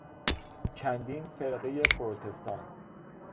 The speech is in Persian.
چندین فرقهی پروتستان